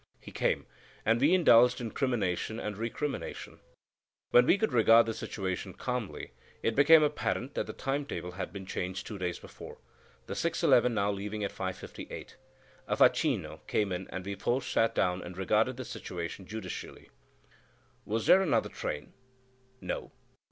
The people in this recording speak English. He came, and we indulged in crimination and recrimination. When we could regard the situation calmly, it became apparent that the time table had been changed two days before, the 6.11 now leaving at 5.58. A facchino came in, and we four sat down and regarded the situation judicially. "Was there any other train?" "No."